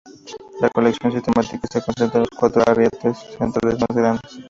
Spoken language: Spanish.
La colección sistemática se concentra en los cuatro arriates centrales más grandes.